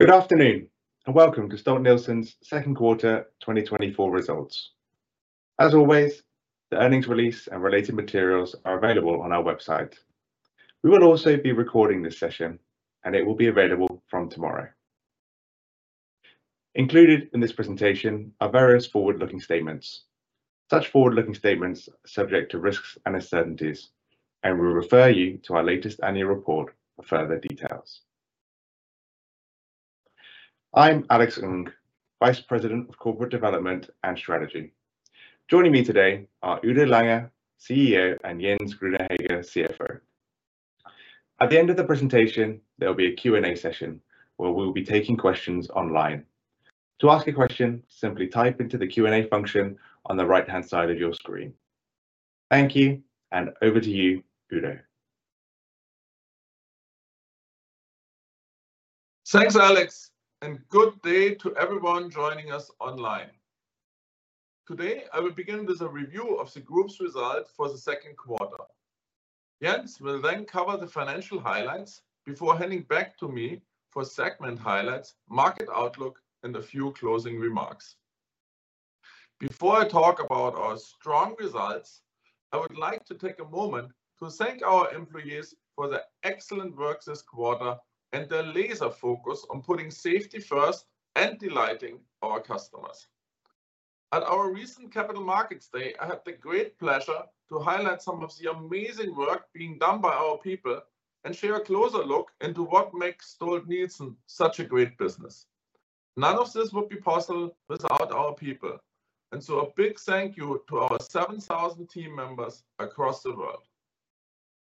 Good afternoon, and welcome to Stolt-Nielsen's second quarter 2024 results. As always, the earnings release and related materials are available on our website. We will also be recording this session, and it will be available from tomorrow. Included in this presentation are various forward-looking statements. Such forward-looking statements are subject to risks and uncertainties, and we refer you to our latest annual report for further details. I'm Alex Ng, Vice President of Corporate Development and Strategy. Joining me today are Udo Lange, CEO, and Jens Grüner-Hegge, CFO. At the end of the presentation, there will be a Q&A session, where we will be taking questions online. To ask a question, simply type into the Q&A function on the right-hand side of your screen. Thank you, and over to you, Udo. Thanks, Alex, and good day to everyone joining us online. Today, I will begin with a review of the group's results for the second quarter. Jens will then cover the financial highlights before handing back to me for segment highlights, market outlook, and a few closing remarks. Before I talk about our strong results, I would like to take a moment to thank our employees for their excellent work this quarter and their laser focus on putting safety first and delighting our customers. At our recent Capital Markets Day, I had the great pleasure to highlight some of the amazing work being done by our people and share a closer look into what makes Stolt-Nielsen such a great business. None of this would be possible without our people, and so a big thank you to our 7,000 team members across the world.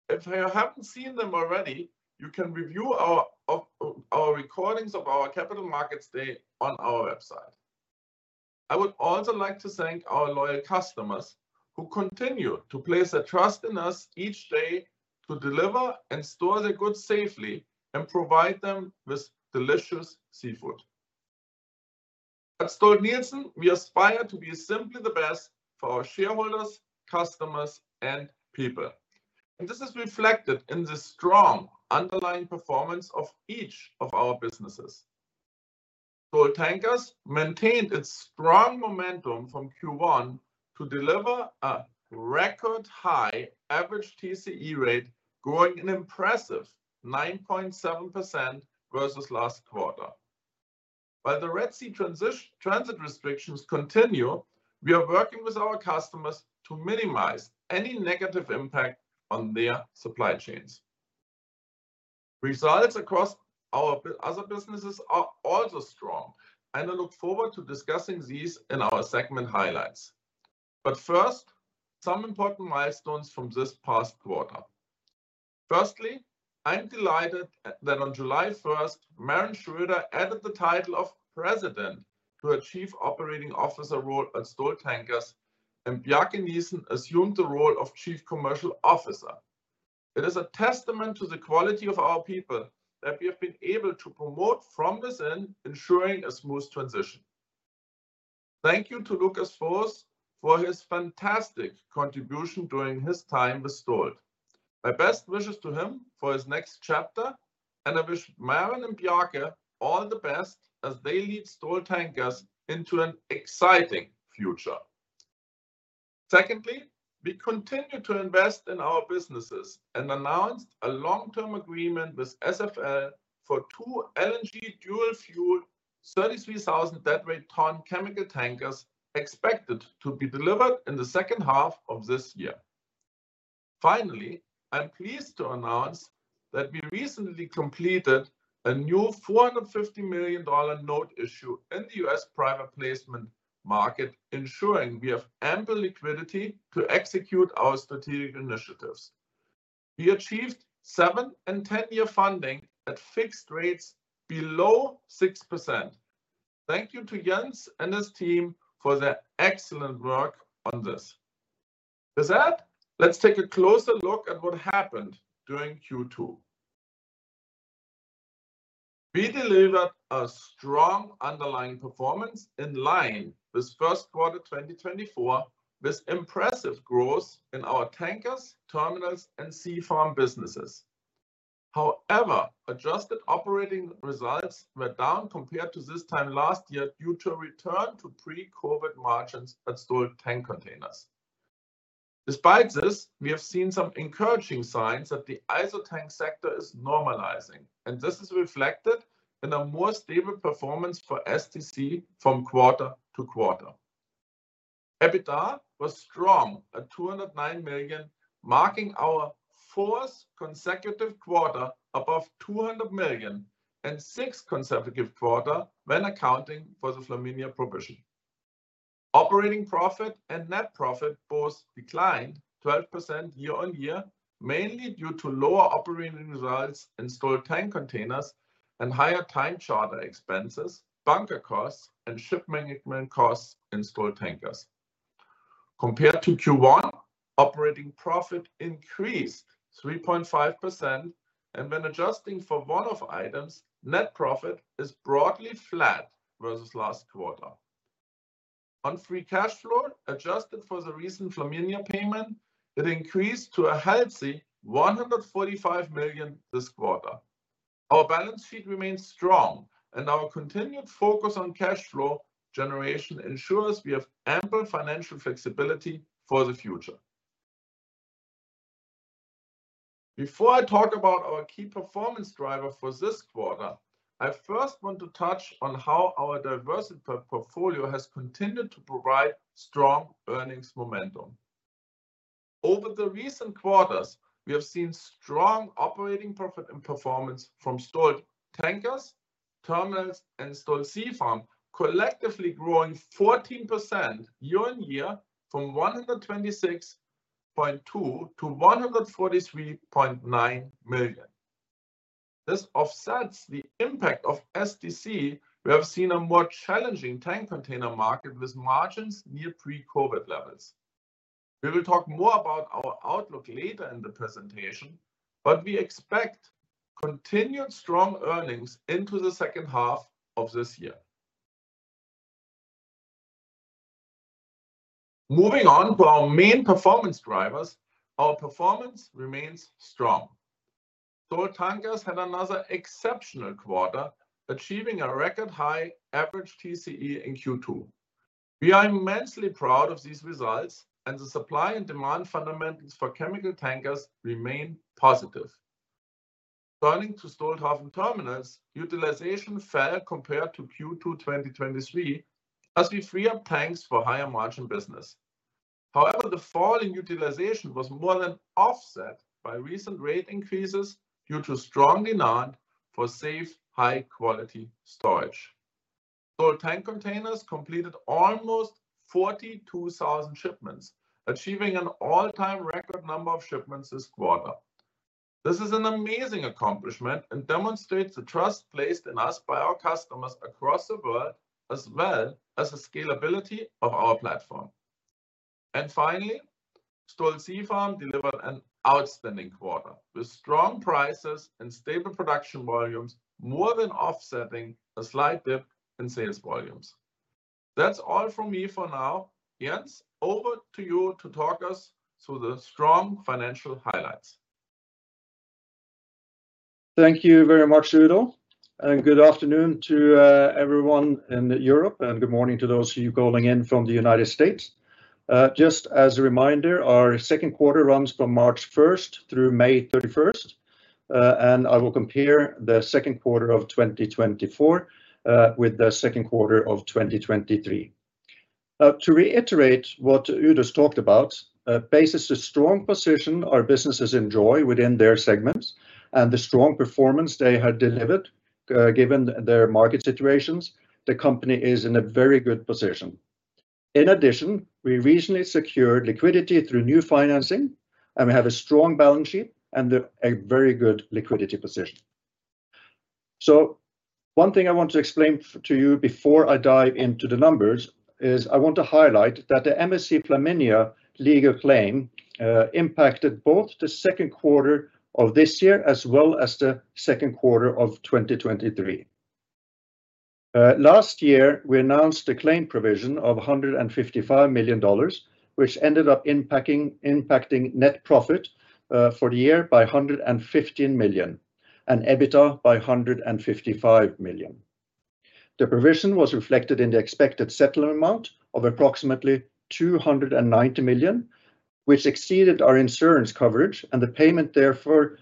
If you haven't seen them already, you can review our recordings of our Capital Markets Day on our website. I would also like to thank our loyal customers, who continue to place their trust in us each day to deliver and store their goods safely and provide them with delicious seafood. At Stolt-Nielsen, we aspire to be simply the best for our shareholders, customers, and people, and this is reflected in the strong underlying performance of each of our businesses. Stolt Tankers maintained its strong momentum from Q1 to deliver a record-high average TCE rate, growing an impressive 9.7% versus last quarter. While the Red Sea transit restrictions continue, we are working with our customers to minimize any negative impact on their supply chains. Results across our other businesses are also strong, and I look forward to discussing these in our segment highlights. But first, some important milestones from this past quarter. Firstly, I'm delighted that on July first, Maren Schroeder added the title of President to her Chief Operating Officer role at Stolt Tankers, and Bjarke Nissen assumed the role of Chief Commercial Officer. It is a testament to the quality of our people that we have been able to promote from within, ensuring a smooth transition. Thank you to Lucas Vos for his fantastic contribution during his time with Stolt Tankers. My best wishes to him for his next chapter, and I wish Maren and Bjarke all the best as they lead Stolt Tankers into an exciting future. Secondly, we continue to invest in our businesses and announced a long-term agreement with SFL for two LNG dual fuel, 33,000 deadweight ton chemical tankers, expected to be delivered in the second half of this year. Finally, I'm pleased to announce that we recently completed a new $450 million note issue in the U.S. private placement market, ensuring we have ample liquidity to execute our strategic initiatives. We achieved seven and 10-year funding at fixed rates below 6%. Thank you to Jens and his team for their excellent work on this. With that, let's take a closer look at what happened during Q2. We delivered a strong underlying performance in line with first quarter 2024, with impressive growth in our tankers, terminals, and Sea Farm businesses. However, adjusted operating results were down compared to this time last year due to a return to pre-COVID margins at Stolt Tank Containers. Despite this, we have seen some encouraging signs that the ISO tank sector is normalizing, and this is reflected in a more stable performance for STC from quarter to quarter. EBITDA was strong at $209 million, marking our fourth consecutive quarter above $200 million and sixth consecutive quarter when accounting for the Flaminia provision. Operating profit and net profit both declined 12% year-on-year, mainly due to lower operating results in Stolt Tank Containers and higher time charter expenses, bunker costs, and ship management costs in Stolt Tankers. Compared to Q1, operating profit increased 3.5%, and when adjusting for one-off items, net profit is broadly flat versus last quarter. On free cash flow, adjusted for the recent Flaminia payment, it increased to a healthy $145 million this quarter. Our balance sheet remains strong, and our continued focus on cash flow generation ensures we have ample financial flexibility for the future. Before I talk about our key performance driver for this quarter, I first want to touch on how our diversified portfolio has continued to provide strong earnings momentum. Over the recent quarters, we have seen strong operating profit and performance from Stolt Tankers, Terminals, and Stolt Sea Farm, collectively growing 14% year-on-year from $126.2 million to $143.9 million. This offsets the impact of STC. We have seen a more challenging tank container market with margins near pre-COVID levels. We will talk more about our outlook later in the presentation, but we expect continued strong earnings into the second half of this year. Moving on to our main performance drivers, our performance remains strong. Stolt Tankers had another exceptional quarter, achieving a record high average TCE in Q2. We are immensely proud of these results, and the supply and demand fundamentals for chemical tankers remain positive. Turning to Stolthaven Terminals, utilization fell compared to Q2, 2023, as we free up tanks for higher margin business. However, the fall in utilization was more than offset by recent rate increases due to strong demand for safe, high-quality storage. Stolt Tank Containers completed almost 42,000 shipments, achieving an all-time record number of shipments this quarter. This is an amazing accomplishment and demonstrates the trust placed in us by our customers across the world, as well as the scalability of our platform. Finally, Stolt Sea Farm delivered an outstanding quarter, with strong prices and stable production volumes more than offsetting a slight dip in sales volumes. That's all from me for now. Jens, over to you to talk us through the strong financial highlights. Thank you very much, Udo, and good afternoon to everyone in Europe, and good morning to those of you calling in from the United States. Just as a reminder, our second quarter runs from March 1 through May 31, and I will compare the second quarter of 2024 with the second quarter of 2023. To reiterate what Udo's talked about, basis the strong position our businesses enjoy within their segments and the strong performance they had delivered, given their market situations, the company is in a very good position. In addition, we recently secured liquidity through new financing, and we have a strong balance sheet and a very good liquidity position. So one thing I want to explain to you before I dive into the numbers is I want to highlight that the MSC Flaminia legal claim impacted both the second quarter of this year, as well as the second quarter of 2023. Last year, we announced a claim provision of $155 million, which ended up impacting net profit for the year by $115 million and EBITDA by $155 million. The provision was reflected in the expected settlement amount of approximately $290 million, which exceeded our insurance coverage and the payment therefore,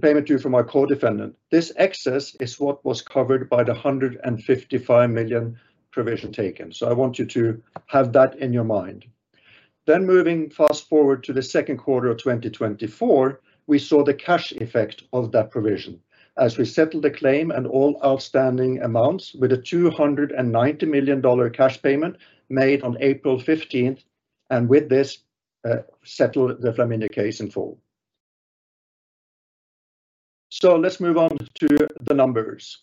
payment due from our co-defendant. This excess is what was covered by the $155 million provision taken. So I want you to have that in your mind. Then moving fast forward to the second quarter of 2024, we saw the cash effect of that provision as we settled the claim and all outstanding amounts with a $290 million cash payment made on April 15, and with this, settled the Flaminia case in full. So let's move on to the numbers.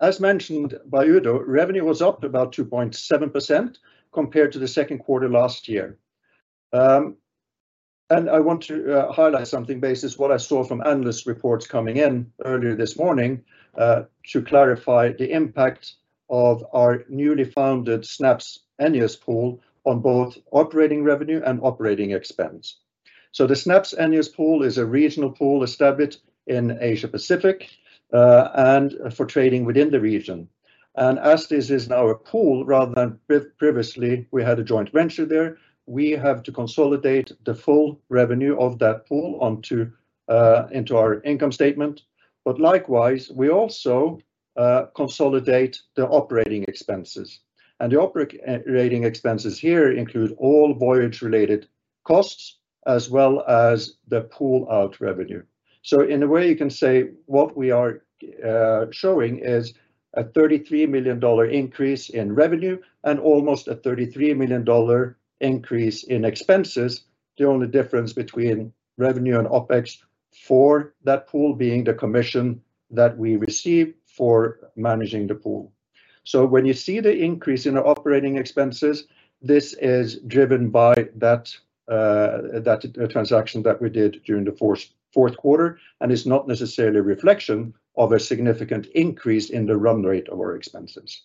As mentioned by Udo, revenue was up about 2.7% compared to the second quarter last year. And I want to highlight something based on what I saw from analyst reports coming in earlier this morning, to clarify the impact of our newly founded SNAPS-ENEOS pool on both operating revenue and operating expense. So the SNAPS-ENEOS pool is a regional pool established in Asia Pacific, and for trading within the region. As this is now a pool, rather than previously, we had a joint venture there, we have to consolidate the full revenue of that pool onto, into our income statement. But likewise, we also, consolidate the operating expenses. And the operating expenses here include all voyage-related costs as well as the pool out revenue. So in a way, you can say what we are, showing is a $33 million increase in revenue and almost a $33 million increase in expenses. The only difference between revenue and OpEx for that pool being the commission that we receive for managing the pool. So when you see the increase in our operating expenses, this is driven by that, that transaction that we did during the fourth quarter and is not necessarily a reflection of a significant increase in the run rate of our expenses.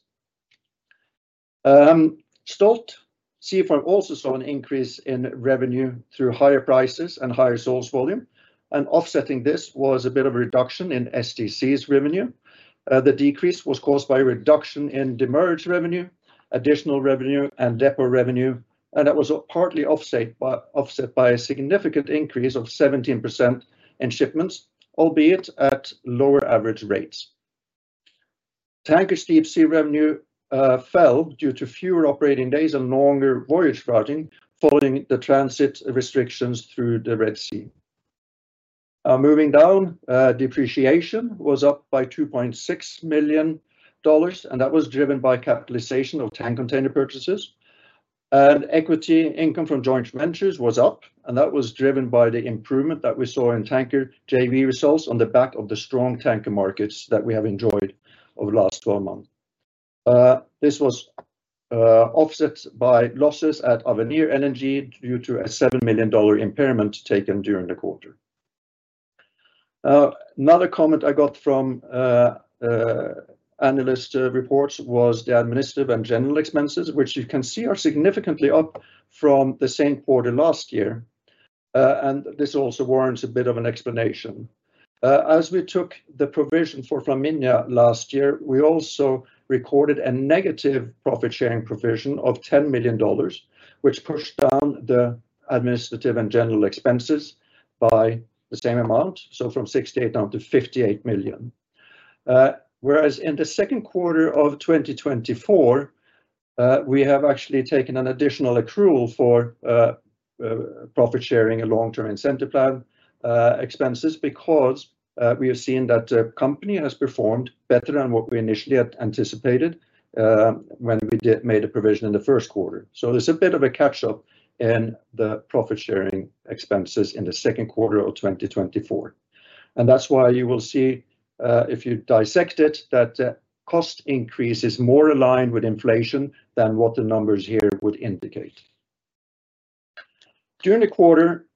Stolt Sea Farm also saw an increase in revenue through higher prices and higher sales volume, and offsetting this was a bit of a reduction in STC's revenue. The decrease was caused by a reduction in demurrage revenue, additional revenue, and depot revenue, and that was partly offset by a significant increase of 17% in shipments, albeit at lower average rates. Tanker TCE revenue fell due to fewer operating days and longer voyage routing, following the transit restrictions through the Red Sea. Moving down, depreciation was up by $2.6 million, and that was driven by capitalization of tank container purchases. Equity income from joint ventures was up, and that was driven by the improvement that we saw in tanker JV results on the back of the strong tanker markets that we have enjoyed over the last 12 months. This was offset by losses at Avenir LNG due to a $7 million impairment taken during the quarter. Another comment I got from analyst reports was the administrative and general expenses, which you can see are significantly up from the same quarter last year. This also warrants a bit of an explanation. As we took the provision for Flaminia last year, we also recorded a negative profit-sharing provision of $10 million, which pushed down the administrative and general expenses by the same amount, so from $68 million down to $58 million. Whereas in the second quarter of 2024, we have actually taken an additional accrual for profit sharing and long-term incentive plan expenses, because we have seen that the company has performed better than what we initially had anticipated, when we did made a provision in the first quarter. So there's a bit of a catch-up in the profit-sharing expenses in the second quarter of 2024. And that's why you will see, if you dissect it, that the cost increase is more aligned with inflation than what the numbers here would indicate. During the quarter,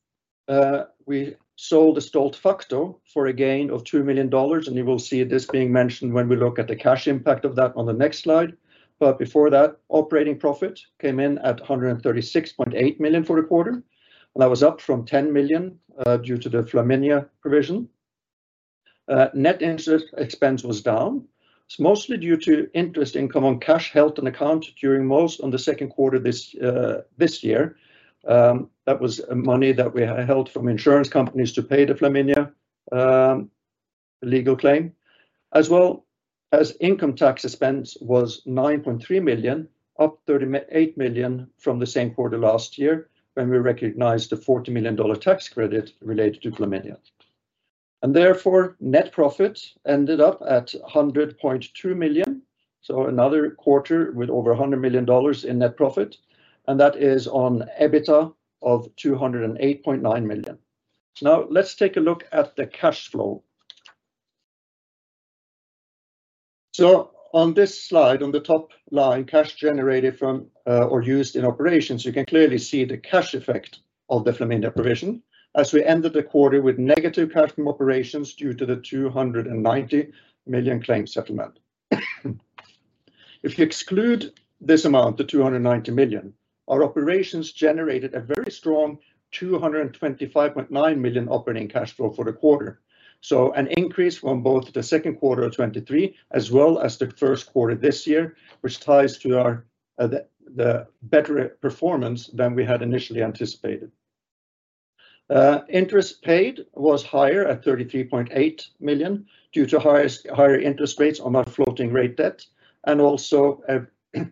we sold the Stolt Facto for a gain of $2 million, and you will see this being mentioned when we look at the cash impact of that on the next slide. But before that, operating profit came in at $136.8 million for the quarter, and that was up from $10 million due to the Flaminia provision. Net interest expense was down. It's mostly due to interest income on cash held on account during most of the second quarter this year. That was money that we had held from insurance companies to pay the Flaminia legal claim, as well as income tax expense was $9.3 million, up $38 million from the same quarter last year, when we recognized a $40 million tax credit related to Flaminia. And therefore, net profit ended up at $102 million. So another quarter with over $100 million in net profit, and that is on EBITDA of $208.9 million. So now let's take a look at the cash flow. So on this slide, on the top line, cash generated from, or used in operations, you can clearly see the cash effect of the Flaminia provision, as we ended the quarter with negative cash from operations due to the $290 million claim settlement. If you exclude this amount, the $290 million, our operations generated a very strong $225.9 million operating cash flow for the quarter. So an increase from both the second quarter of 2023 as well as the first quarter this year, which ties to our, the better performance than we had initially anticipated. Interest paid was higher at $33.8 million due to higher interest rates on our floating rate debt. And also,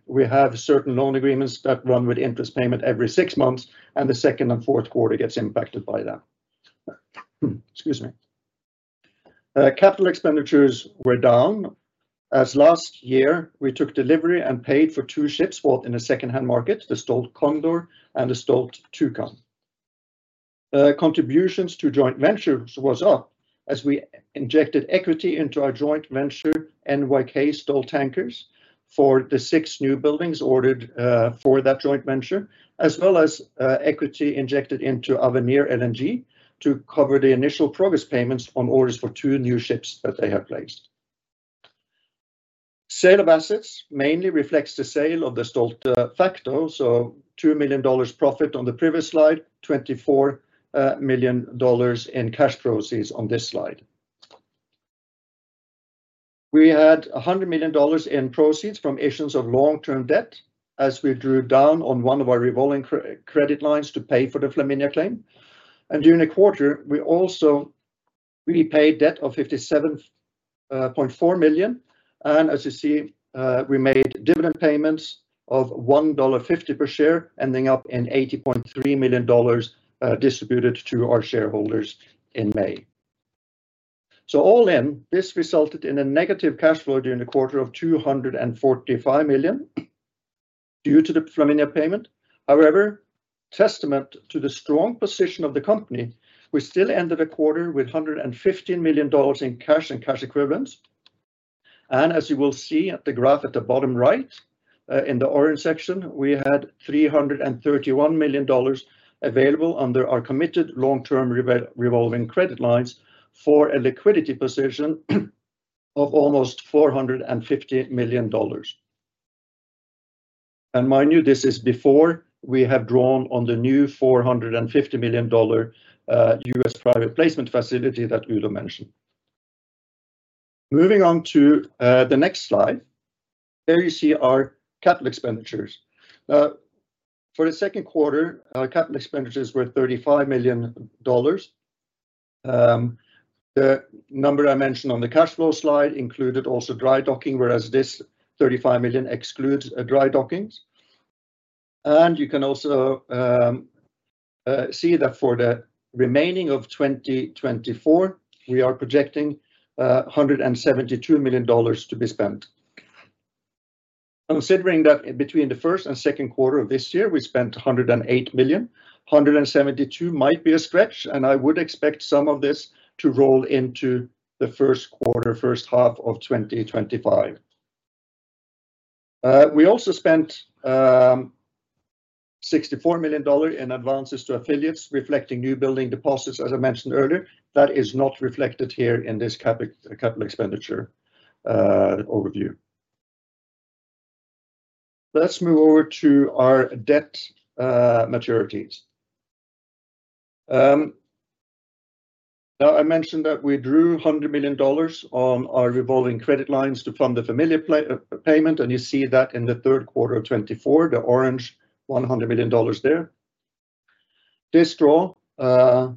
we have certain loan agreements that run with interest payment every six months, and the second and fourth quarter gets impacted by that. Excuse me. Capital expenditures were down, as last year, we took delivery and paid for two ships bought in the second-hand market, the Stolt Condor and the Stolt Toucan. Contributions to joint ventures was up, as we injected equity into our joint venture, NYK Stolt Tankers, for the six new buildings ordered, for that joint venture, as well as, equity injected into Avenir LNG to cover the initial progress payments on orders for two new ships that they have placed. Sale of assets mainly reflects the sale of the Stolt Facto, so $2 million profit on the previous slide, $24 million in cash proceeds on this slide. We had $100 million in proceeds from issuance of long-term debt, as we drew down on one of our revolving credit lines to pay for the Flaminia claim. During the quarter, we also repaid debt of $57.4 million, and as you see, we made dividend payments of $1.50 per share, ending up in $80.3 million distributed to our shareholders in May. All in, this resulted in a negative cash flow during the quarter of $245 million due to the Flaminia payment. However, testament to the strong position of the company, we still ended the quarter with $115 million in cash and cash equivalents. As you will see at the graph at the bottom right, in the orange section, we had $331 million available under our committed long-term revolving credit lines for a liquidity position of almost $450 million. And mind you, this is before we have drawn on the new $450 million U.S. private placement facility that Udo mentioned. Moving on to the next slide, there you see our capital expenditures. For the second quarter, our capital expenditures were $35 million. The number I mentioned on the cash flow slide included also dry docking, whereas this $35 million excludes dry dockings. And you can also see that for the remaining of 2024, we are projecting $172 million to be spent. Considering that between the first and second quarter of this year, we spent $108 million, 172 might be a stretch, and I would expect some of this to roll into the first quarter, first half of 2025. We also spent $64 million in advances to affiliates, reflecting new building deposits, as I mentioned earlier. That is not reflected here in this capital expenditure overview. Let's move over to our debt maturities. Now, I mentioned that we drew $100 million on our revolving credit lines to fund the final payment, and you see that in the third quarter of 2024, the orange $100 million there. This draw, plus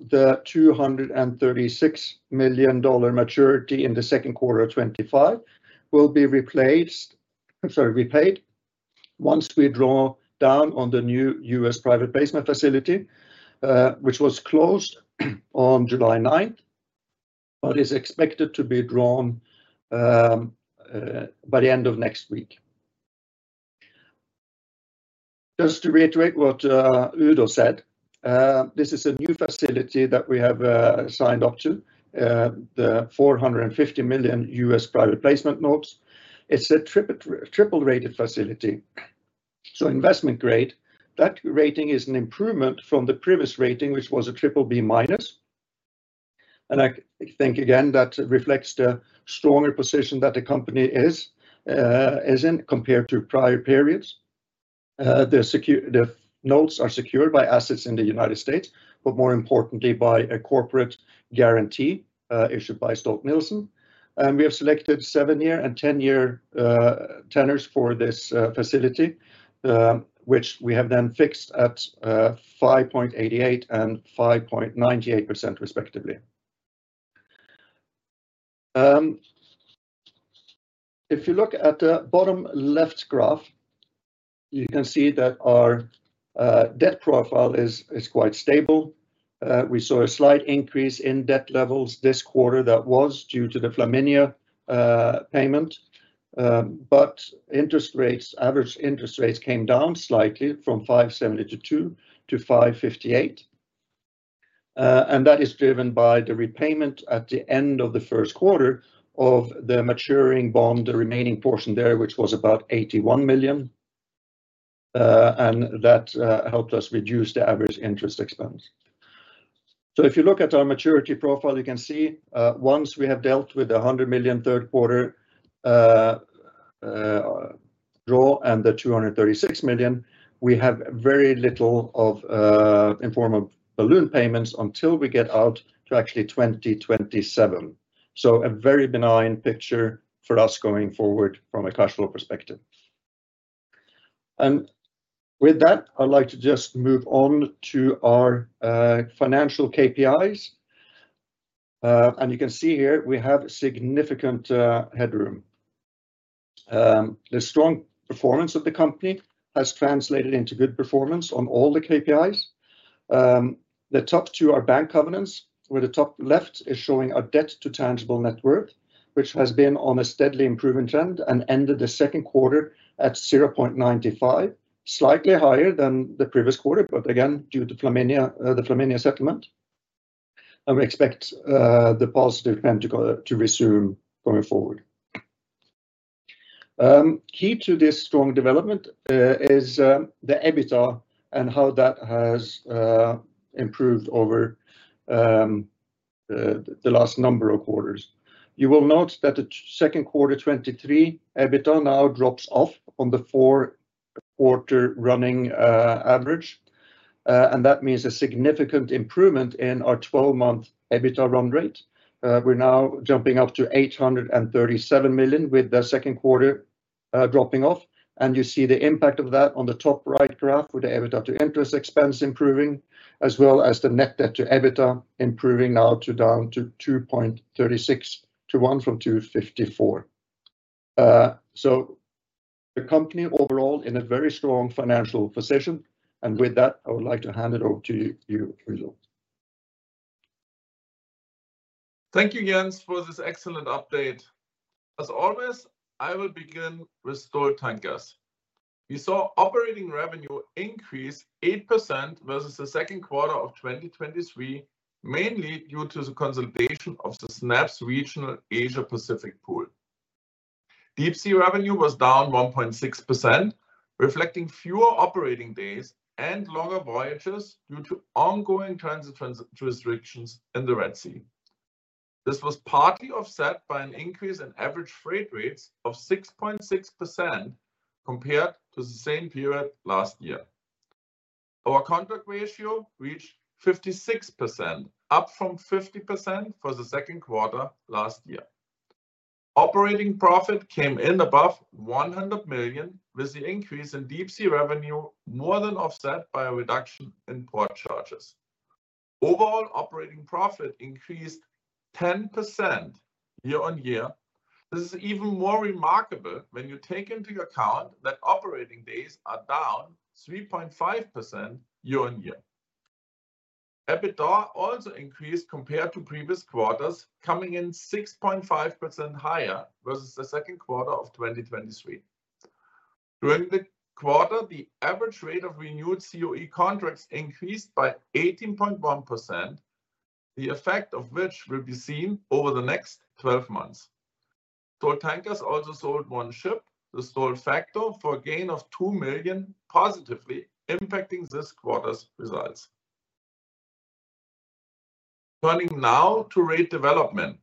the $236 million maturity in the second quarter of 2025, will be replaced, I'm sorry, repaid once we draw down on the new U.S. private placement facility, which was closed on July 9th, but is expected to be drawn by the end of next week. Just to reiterate what Udo said, this is a new facility that we have signed up to, the $450 million U.S. Private Placement notes. It's a triple-A rated facility, so investment grade. That rating is an improvement from the previous rating, which was a triple B minus. And I think, again, that reflects the stronger position that the company is in compared to prior periods. The notes are secured by assets in the United States, but more importantly, by a corporate guarantee issued by Stolt-Nielsen. We have selected seven year and 10-year tenors for this facility, which we have then fixed at 5.88% and 5.98%, respectively. If you look at the bottom left graph, you can see that our debt profile is quite stable. We saw a slight increase in debt levels this quarter. That was due to the Flaminia payment. But interest rates, average interest rates came down slightly from 5.72% to 5.58%. That is driven by the repayment at the end of the first quarter of the maturing bond, the remaining portion there, which was about $81 million. And that helped us reduce the average interest expense. So if you look at our maturity profile, you can see, once we have dealt with the $100 million third quarter draw and the $236 million, we have very little of, in form of balloon payments until we get out to actually 2027. So a very benign picture for us going forward from a cash flow perspective. And with that, I'd like to just move on to our financial KPIs. And you can see here, we have significant headroom. The strong performance of the company has translated into good performance on all the KPIs. The top two are bank covenants, where the top left is showing a debt to tangible net worth, which has been on a steadily improvement trend and ended the second quarter at 0.95, slightly higher than the previous quarter, but again, due to Flaminia, the Flaminia settlement. We expect the positive trend to go, to resume going forward. Key to this strong development is the EBITDA and how that has improved over the last number of quarters. You will note that the second quarter of 2023, EBITDA now drops off on the four quarter running average. And that means a significant improvement in our 12-month EBITDA run rate. We're now jumping up to $837 million with the second quarter dropping off, and you see the impact of that on the top right graph with the EBITDA to interest expense improving, as well as the net debt to EBITDA improving now to down to 2.36 to 1 from 2.54. So the company overall in a very strong financial position. And with that, I would like to hand it over to you, Udo. Thank you, Jens, for this excellent update. As always, I will begin with Stolt Tankers. We saw operating revenue increase 8% versus the second quarter of 2023, mainly due to the consolidation of the SNAPS regional Asia Pacific pool. Deep-sea revenue was down 1.6%, reflecting fewer operating days and longer voyages due to ongoing transit restrictions in the Red Sea. This was partly offset by an increase in average freight rates of 6.6%, compared to the same period last year. Our contract ratio reached 56%, up from 50% for the second quarter last year. Operating profit came in above $100 million, with the increase in deep sea revenue more than offset by a reduction in port charges. Overall, operating profit increased 10% year-on-year. This is even more remarkable when you take into account that operating days are down 3.5% year-on-year. EBITDA also increased compared to previous quarters, coming in 6.5% higher versus the second quarter of 2023. During the quarter, the average rate of renewed COA contracts increased by 18.1%, the effect of which will be seen over the next 12 months. Stolt Tankers also sold one ship, the Stolt Facto, for a gain of $2 million, positively impacting this quarter's results. Turning now to rate development.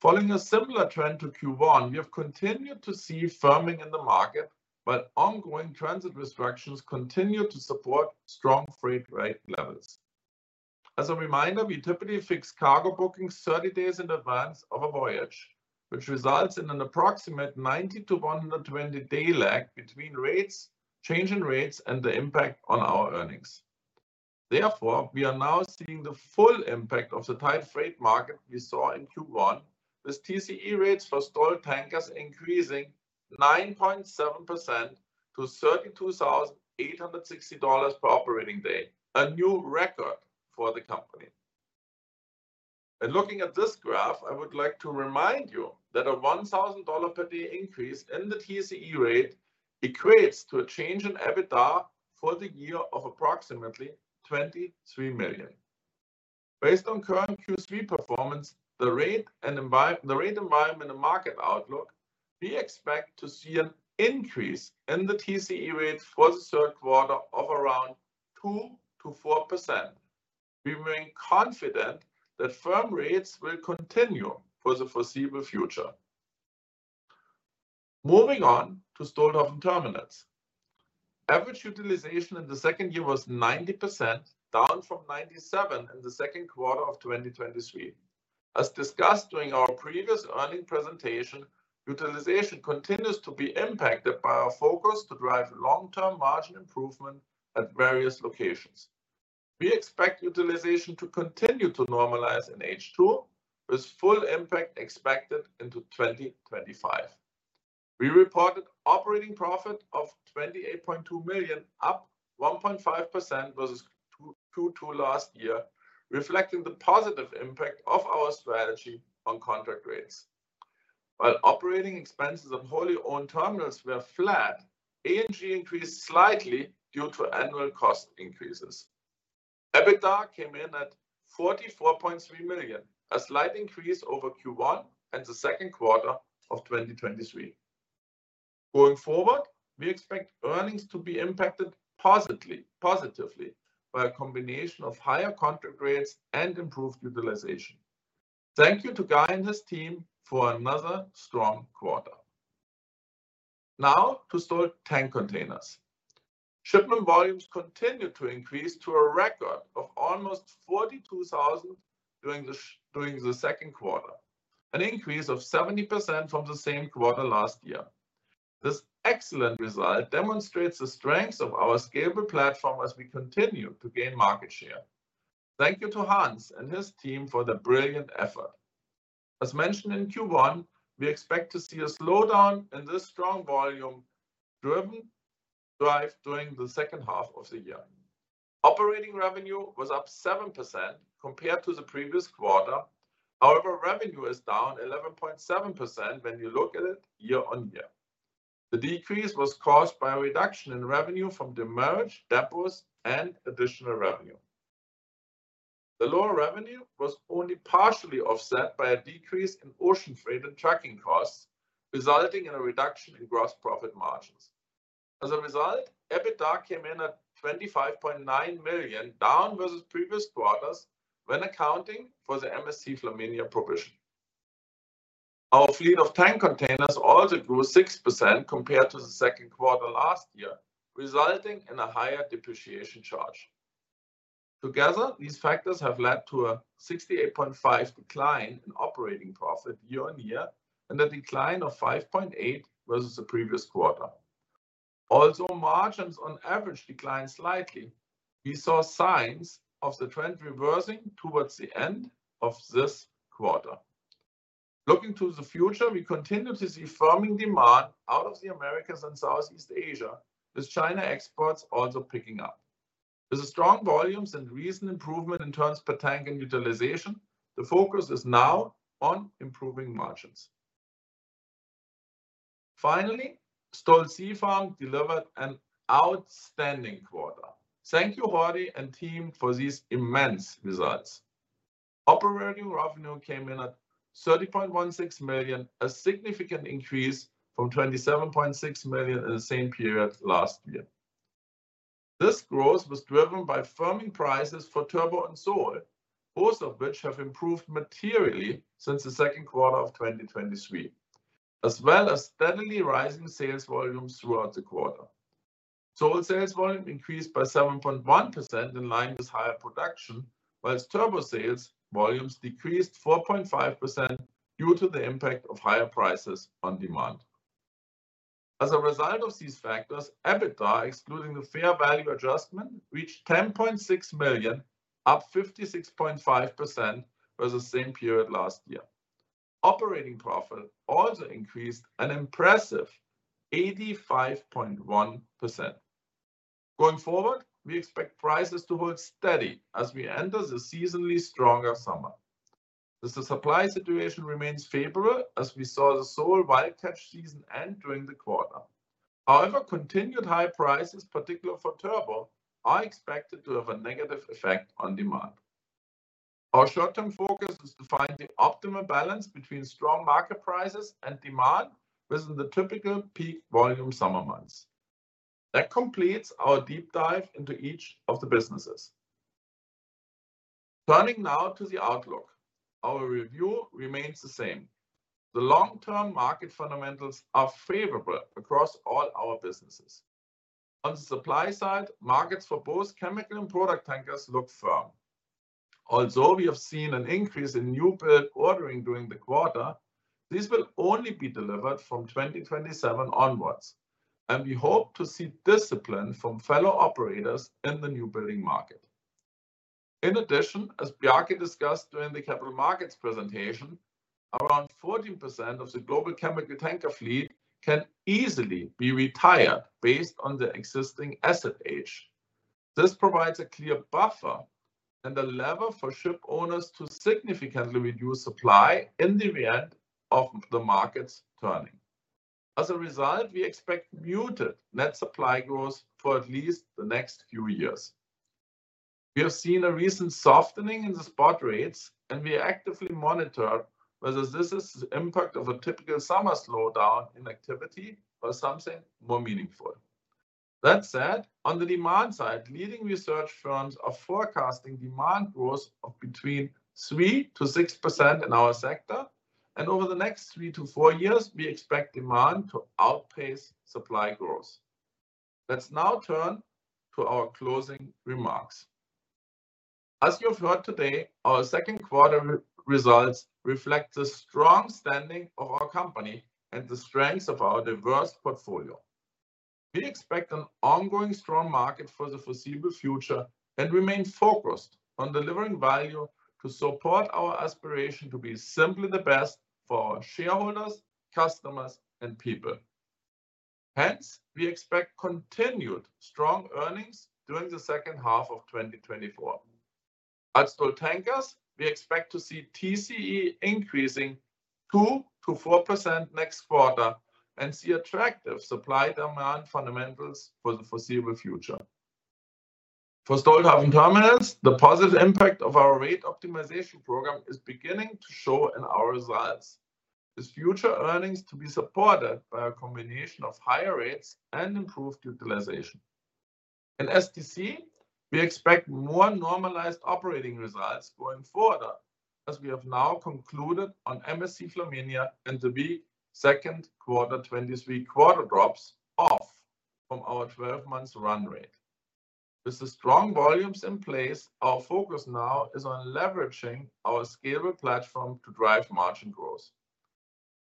Following a similar trend to Q1, we have continued to see firming in the market, but ongoing transit restrictions continue to support strong freight rate levels. As a reminder, we typically fix cargo bookings 30 days in advance of a voyage, which results in an approximate 90-120-day lag between rates, change in rates, and the impact on our earnings. Therefore, we are now seeing the full impact of the tight freight market we saw in Q1, with TCE rates for Stolt Tankers increasing 9.7% to $32,860 per operating day, a new record for the company. Looking at this graph, I would like to remind you that a $1,000 per day increase in the TCE rate equates to a change in EBITDA for the year of approximately $23 million. Based on current Q3 performance, the rate environment and market outlook, we expect to see an increase in the TCE rate for the third quarter of around 2%-4%. We remain confident that firm rates will continue for the foreseeable future. Moving on to Stolthaven Terminals. Average utilization in the second year was 90%, down from 97% in the second quarter of 2023. As discussed during our previous earnings presentation, utilization continues to be impacted by our focus to drive long-term margin improvement at various locations. We expect utilization to continue to normalize in H2, with full impact expected into 2025. We reported operating profit of $28.2 million, up 1.5% versus Q2 last year, reflecting the positive impact of our strategy on contract rates. While operating expenses of wholly owned terminals were flat, A&G increased slightly due to annual cost increases. EBITDA came in at $44.3 million, a slight increase over Q1 and the second quarter of 2023. Going forward, we expect earnings to be impacted positively, positively by a combination of higher contract rates and improved utilization. Thank you to Guy and his team for another strong quarter. Now to Stolt Tank Containers. Shipment volumes continued to increase to a record of almost 42,000 during the second quarter, an increase of 70% from the same quarter last year. This excellent result demonstrates the strengths of our scalable platform as we continue to gain market share. Thank you to Hans and his team for the brilliant effort. As mentioned in Q1, we expect to see a slowdown in this strong volume driven drive during the second half of the year. Operating revenue was up 7% compared to the previous quarter. However, revenue is down 11.7% when you look at it year-on-year. The decrease was caused by a reduction in revenue from demurrage depots and additional revenue. The lower revenue was only partially offset by a decrease in ocean freight and trucking costs, resulting in a reduction in gross profit margins. As a result, EBITDA came in at $25.9 million, down versus previous quarters when accounting for the MSC Flaminia provision. Our fleet of tank containers also grew 6% compared to the second quarter last year, resulting in a higher depreciation charge. Together, these factors have led to a 68.5 decline in operating profit year-on-year, and a decline of 5.8 versus the previous quarter. Also, margins on average declined slightly. We saw signs of the trend reversing towards the end of this quarter. Looking to the future, we continue to see firming demand out of the Americas and Southeast Asia, with China exports also picking up. With the strong volumes and recent improvement in turns per tank and utilization, the focus is now on improving margins. Finally, Stolt Sea Farm delivered an outstanding quarter. Thank you, Jordi and team, for these immense results. Operating revenue came in at $30.16 million, a significant increase from $27.6 million in the same period last year.... This growth was driven by firming prices for turbot and sole, both of which have improved materially since the second quarter of 2023, as well as steadily rising sales volumes throughout the quarter. Sole sales volume increased by 7.1% in line with higher production, while turbot sales volumes decreased 4.5% due to the impact of higher prices on demand. As a result of these factors, EBITDA, excluding the fair value adjustment, reached $10.6 million, up 56.5% over the same period last year. Operating profit also increased an impressive 85.1%. Going forward, we expect prices to hold steady as we enter the seasonally stronger summer. The supply situation remains favorable as we saw the sole wild catch season end during the quarter. However, continued high prices, particularly for turbot, are expected to have a negative effect on demand. Our short-term focus is to find the optimal balance between strong market prices and demand within the typical peak volume summer months. That completes our deep dive into each of the businesses. Turning now to the outlook, our review remains the same. The long-term market fundamentals are favorable across all our businesses. On the supply side, markets for both chemical and product tankers look firm. Although we have seen an increase in new build ordering during the quarter, this will only be delivered from 2027 onwards, and we hope to see discipline from fellow operators in the new building market. In addition, as Bjarke discussed during the capital markets presentation, around 14% of the global chemical tanker fleet can easily be retired based on the existing asset age. This provides a clear buffer and a lever for ship owners to significantly reduce supply in the event of the markets turning. As a result, we expect muted net supply growth for at least the next few years. We have seen a recent softening in the spot rates, and we actively monitor whether this is the impact of a typical summer slowdown in activity or something more meaningful. That said, on the demand side, leading research firms are forecasting demand growth of between 3%-6% in our sector, and over the next 3-4 years, we expect demand to outpace supply growth. Let's now turn to our closing remarks. As you've heard today, our second quarter results reflect the strong standing of our company and the strengths of our diverse portfolio. We expect an ongoing strong market for the foreseeable future and remain focused on delivering value to support our aspiration to be simply the best for our shareholders, customers, and people. Hence, we expect continued strong earnings during the second half of 2024. At Stolt Tankers, we expect to see TCE increasing 2%-4% next quarter and see attractive supply-demand fundamentals for the foreseeable future. For Stolthaven Terminals, the positive impact of our rate optimization program is beginning to show in our results, with future earnings to be supported by a combination of higher rates and improved utilization. In STC, we expect more normalized operating results going forward, as we have now concluded on MSC Flaminia and the weak second quarter 2023 quarter drops off from our 12-month run rate. With the strong volumes in place, our focus now is on leveraging our scalable platform to drive margin growth.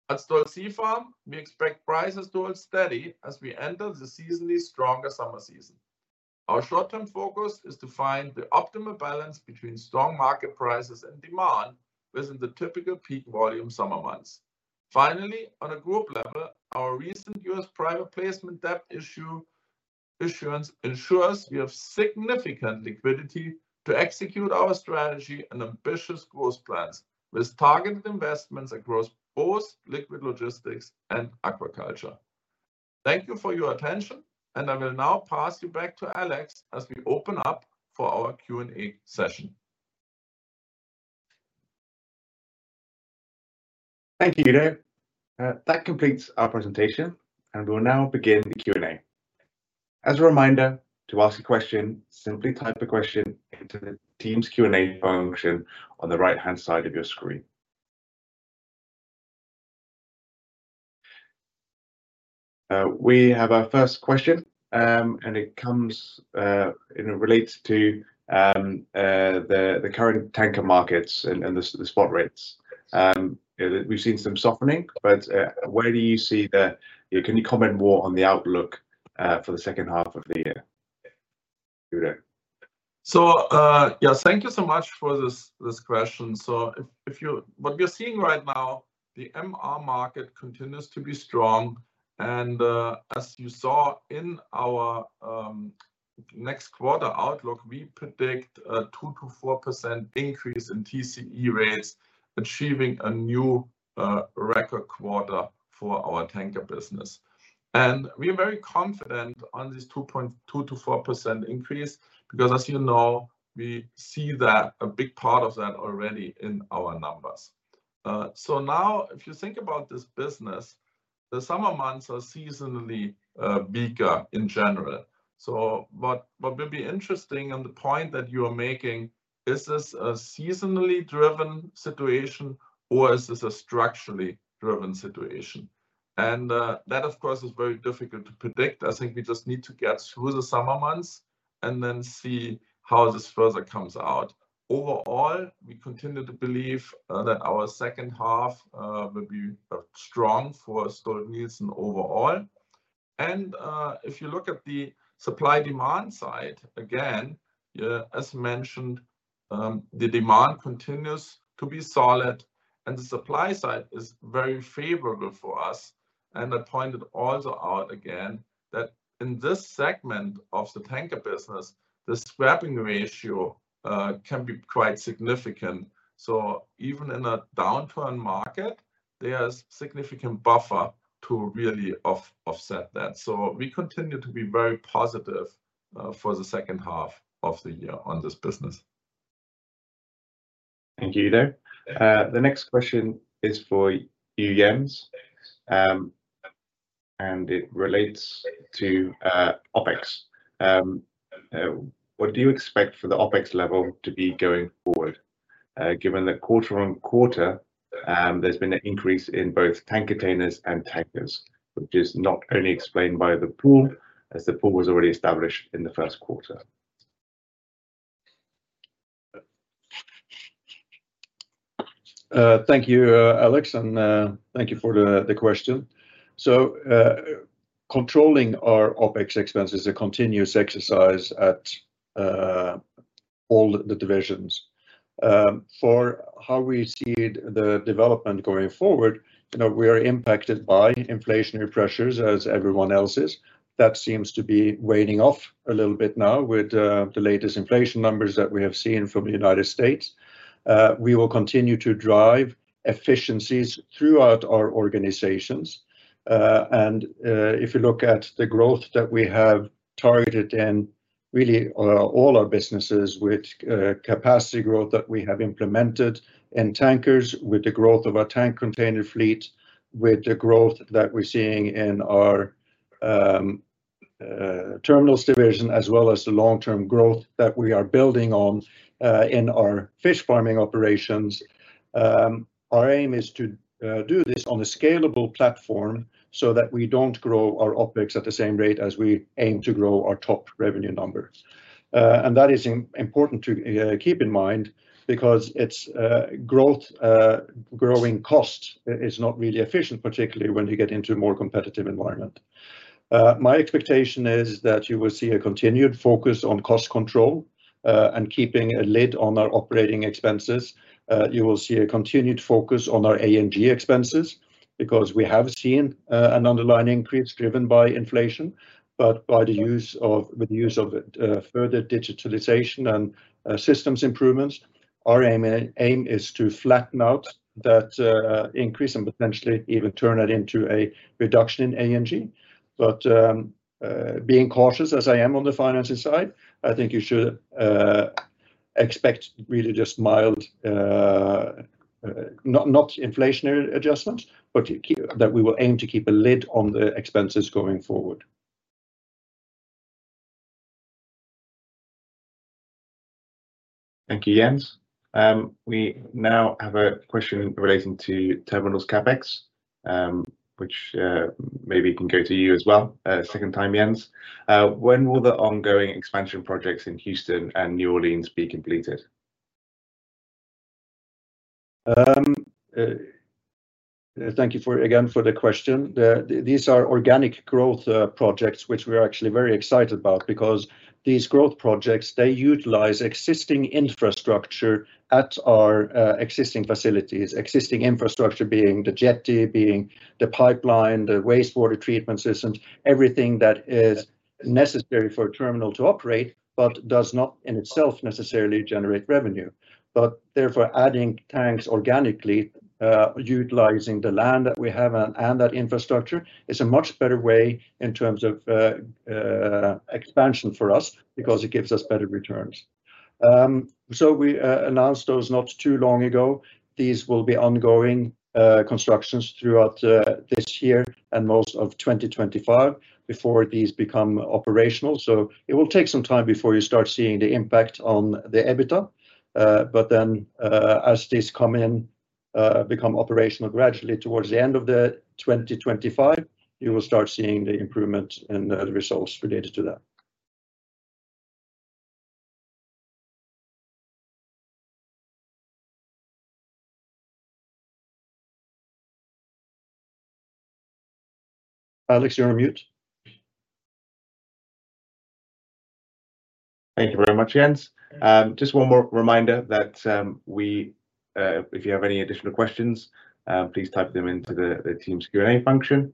At Stolt Sea Farm, we expect prices to hold steady as we enter the seasonally stronger summer season. Our short-term focus is to find the optimal balance between strong market prices and demand within the typical peak volume summer months. Finally, on a group level, our recent U.S. private placement debt issuance ensures we have significant liquidity to execute our strategy and ambitious growth plans, with targeted investments across both liquid logistics and aquaculture. Thank you for your attention, and I will now pass you back to Alex as we open up for our Q&A session. Thank you, Udo. That completes our presentation, and we'll now begin the Q&A. As a reminder, to ask a question, simply type a question into the Teams Q&A function on the right-hand side of your screen. We have our first question, and it comes. It relates to the current tanker markets and the spot rates. We've seen some softening, but where do you see the... Can you comment more on the outlook for the second half of the year? Udo. So, yes, thank you so much for this, this question. So if, if you, what we are seeing right now, the MR market continues to be strong, and, as you saw in our, next quarter outlook, we predict a 2%-4% increase in TCE rates, achieving a new, record quarter for our tanker business. And we are very confident on this 2.2%-4% increase because, as you know, we see that a big part of that already in our numbers.... So now if you think about this business, the summer months are seasonally, bigger in general. So what, what will be interesting, and the point that you are making, is this a seasonally driven situation, or is this a structurally driven situation? And, that, of course, is very difficult to predict. I think we just need to get through the summer months and then see how this further comes out. Overall, we continue to believe that our second half will be strong for Stolt-Nielsen overall. And if you look at the supply-demand side, again, yeah, as mentioned, the demand continues to be solid, and the supply side is very favorable for us. And I pointed also out again that in this segment of the tanker business, the scrapping ratio can be quite significant. So even in a downturn market, there's significant buffer to really offset that. So we continue to be very positive for the second half of the year on this business. Thank you, Udo. The next question is for you, Jens, and it relates to OpEx. What do you expect for the OpEx level to be going forward, given that quarter on quarter, there's been an increase in both tank containers and tankers, which is not only explained by the pool, as the pool was already established in the first quarter? Thank you, Alex, and thank you for the question. So, controlling our OpEx expense is a continuous exercise at all the divisions. For how we see the development going forward, you know, we are impacted by inflationary pressures as everyone else is. That seems to be waning off a little bit now with the latest inflation numbers that we have seen from the United States. We will continue to drive efficiencies throughout our organizations. If you look at the growth that we have targeted in really all our businesses with capacity growth that we have implemented in tankers, with the growth of our tank container fleet, with the growth that we're seeing in our terminals division, as well as the long-term growth that we are building on in our fish farming operations, our aim is to do this on a scalable platform so that we don't grow our OpEx at the same rate as we aim to grow our top revenue numbers. That is important to keep in mind, because it's growing costs is not really efficient, particularly when you get into a more competitive environment. My expectation is that you will see a continued focus on cost control, and keeping a lid on our operating expenses. You will see a continued focus on our A&G expenses, because we have seen an underlying increase driven by inflation. But with the use of further digitalization and systems improvements, our aim is to flatten out that increase and potentially even turn it into a reduction in A&G. But being cautious as I am on the finances side, I think you should expect really just mild not inflationary adjustments, but that we will aim to keep a lid on the expenses going forward. Thank you, Jens. We now have a question relating to terminals CapEx, which maybe can go to you as well, second time, Jens. When will the ongoing expansion projects in Houston and New Orleans be completed? Thank you, again, for the question. These are organic growth projects, which we are actually very excited about, because these growth projects, they utilize existing infrastructure at our existing facilities. Existing infrastructure being the jetty, being the pipeline, the wastewater treatment systems, everything that is necessary for a terminal to operate, but does not in itself necessarily generate revenue. But therefore, adding tanks organically, utilizing the land that we have and that infrastructure, is a much better way in terms of expansion for us, because it gives us better returns. So we announced those not too long ago. These will be ongoing constructions throughout this year and most of 2025 before these become operational. So it will take some time before you start seeing the impact on the EBITDA. But then, as these come in, become operational gradually towards the end of 2025, you will start seeing the improvement in the results related to that. Alex, you're on mute. Thank you very much, Jens. Just one more reminder that if you have any additional questions, please type them into the Teams Q&A function.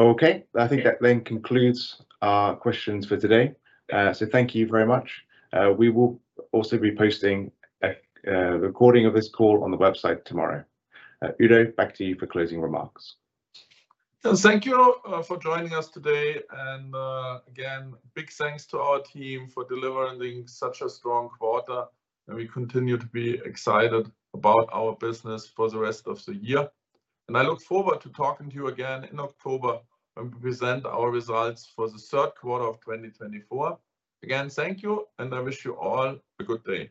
Okay, I think that then concludes our questions for today. So thank you very much. We will also be posting a recording of this call on the website tomorrow. Udo, back to you for closing remarks. Thank you for joining us today. Again, big thanks to our team for delivering such a strong quarter. We continue to be excited about our business for the rest of the year. I look forward to talking to you again in October, and present our results for the third quarter of 2024. Again, thank you, and I wish you all a good day.